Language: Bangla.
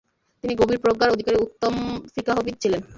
তিনি গভীর প্রজ্ঞার অধিকারী উত্তম ফিকাহবিদ ছিলেন।